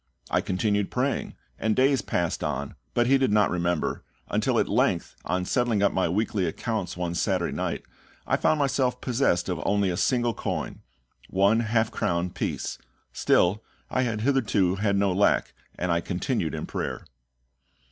I continued praying, and days passed on, but he did not remember, until at length, on settling up my weekly accounts one Saturday night, I found myself possessed of only a single coin one half crown piece. Still I had hitherto had no lack, and I continued in prayer.